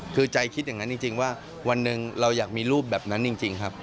คือใจคิดอย่างนั้นจริงว่าวันหนึ่งเราอยากมีรูปแบบนั้นจริงครับ